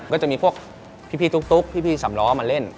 ก็จะมีพวกพี่ตุ๊กพี่สำล้อมาเล่น